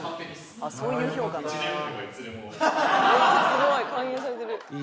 「うわっすごい！勧誘されてる」